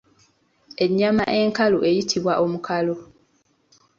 Ennyama enkalu eyitibwa omukalo